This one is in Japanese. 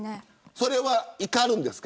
それは怒るんですか。